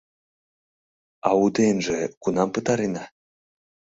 — А уденже кунам пытарена?